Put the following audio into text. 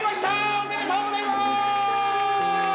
おめでとうございます！